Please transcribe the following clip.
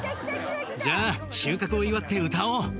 じゃあ、収穫を祝って歌おう。